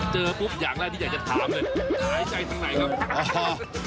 เจอพวกอย่างล่ะที่อยากจะถามเลย